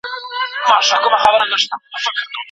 هغه ميرمن جنتي ده، چي د رمضان مياشتي روژه ونيسي.